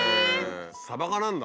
サバ科なんだ。